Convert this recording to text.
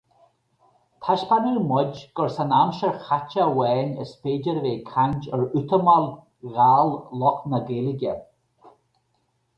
Taispeáineadh muid gur san aimsir chaite amháin is féidir a bheith ag caint ar útamáil dhall lucht na Gaeilge.